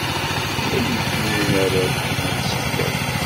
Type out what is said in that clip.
Aydi n unarag dima yesseglaf.